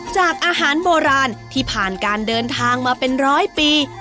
จากอาหารโบราณที่ผ่านการเดินทางมาเป็นร้อยปี